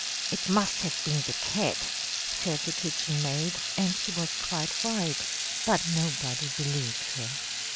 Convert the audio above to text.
"'It must have been the cat,' said the kitchenmaid; and she was quite right, but nobody believed her.